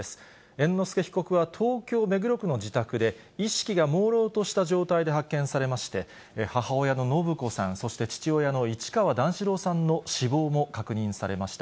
猿之助被告は東京・目黒区の自宅で、意識がもうろうとした状態で発見されまして、母親の延子さん、そして父親の市川段四郎さんの死亡も確認されました。